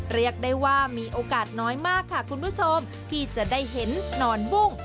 เรียกได้ว่ามีโอกาสน้อยมากค่ะคุณผู้ชมที่จะได้เห็นนอนบุ้ง